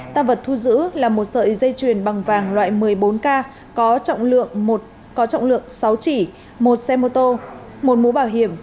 tạm vật thu giữ là một sợi dây chuyền bằng vàng loại một mươi bốn k có trọng lượng sáu chỉ một xe mô tô một mũ bảo hiểm